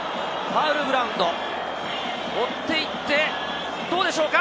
ファウルグラウンド、追っていって、どうでしょうか？